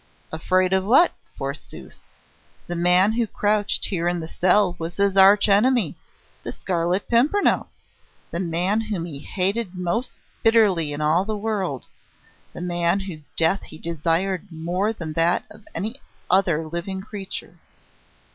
Afraid of what, forsooth? The man who crouched here in the cell was his arch enemy, the Scarlet Pimpernel the man whom he hated most bitterly in all the world, the man whose death he desired more than that of any other living creature.